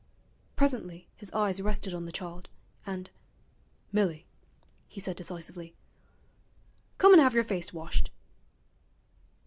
Presently his eyes rested on the child, and 'Milly,' he said decisively, 'come an 'ave yer face washed.'